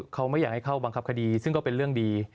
เขาไม่อยากให้เข้าบังคับคดีซึ่งก็เป็นเรื่องดี